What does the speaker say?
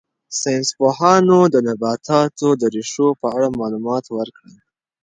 ساینس پوهانو د نباتاتو د ریښو په اړه معلومات ورکړل.